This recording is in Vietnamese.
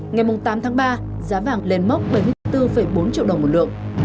ngày tám tháng ba giá vàng lên mốc bảy mươi bốn bốn triệu đồng một lượng